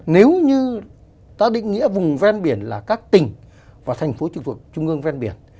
nếu như ta định nghĩa vùng ven biển là các tỉnh và thành phố trung ương ven biển